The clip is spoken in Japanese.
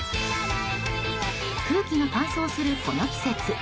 空気が乾燥するこの季節。